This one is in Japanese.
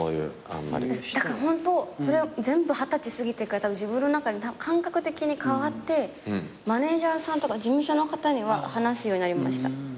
だからホント全部二十歳過ぎてから自分の中で感覚的に変わってマネジャーさんとか事務所の方には話すようになりました。